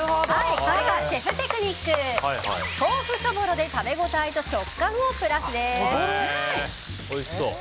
これがシェフテクニック豆腐そぼろで食べ応えと食感をプラス！